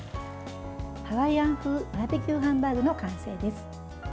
ハワイアン風バーベキューハンバーグの完成です。